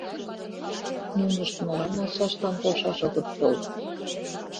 Нунышт молан ачаштлан полшаш огыт тол?..